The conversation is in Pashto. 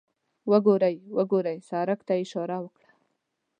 وګورئ، وګورئ، سړک ته یې اشاره وکړه.